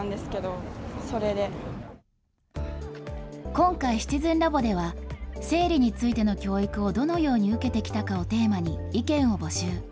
今回シチズンラボでは、生理についての教育をどのように受けてきたかをテーマに、意見を募集。